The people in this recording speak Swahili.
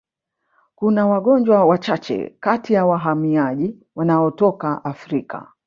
Kuna wagonjwa wachache kati ya wahamiaji wanaotoka Afrika